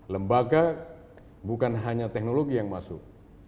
lembaga bukan hanya teknologi yang masuk